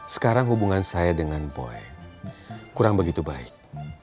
sekarang hubungan saya dengan boy kurang begitu baik